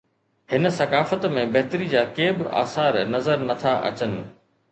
هن ثقافت ۾ بهتري جا ڪي به آثار نظر نه ٿا اچن.